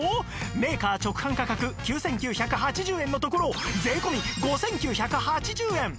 メーカー直販価格９９８０円のところ税込５９８０円